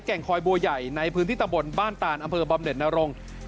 แก่งคอยบัวใหญ่ในพื้นที่ตะบนบ้านตาลอำเภอบำเด็ดนารงค์